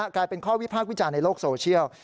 กลายเป็นข้อวิพากษ์วิจารณ์ในโลกโซเชียล